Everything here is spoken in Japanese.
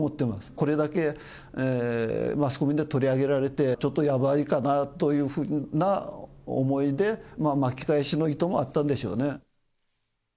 これだけマスコミで取り上げられて、ちょっとやばいかなというふうな思いで、巻き返しの意図があったんでしょうね。